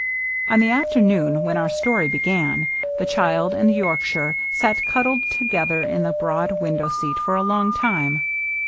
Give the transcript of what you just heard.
On the afternoon when our story began, the child and the Yorkshire sat cuddled together in the broad mndow seat for a long time.